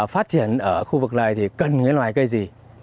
phát triển ở khu vực này thì cần cái loài cây gì